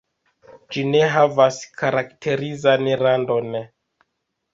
Ĝi ne havas karakterizan randon.